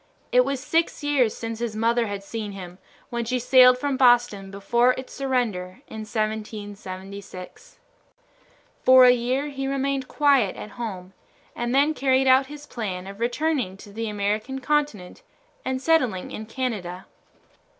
It was six years since his mother had seen him, when she sailed from Boston before its surrender in 1776. For a year he remained quiet at home, and then carried out his plan of returning to the American continent and settling in Canada.